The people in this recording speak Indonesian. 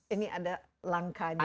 ini ada langkahnya